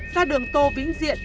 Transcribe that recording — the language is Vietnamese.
ra đường tô vĩnh diện